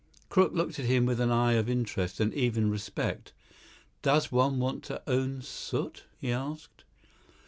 Crook looked at him with an eye of interest and even respect. "Does one want to own soot?" he asked.